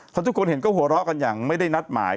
เพราะทุกคนเห็นก็หัวเราะกันอย่างไม่ได้นัดหมาย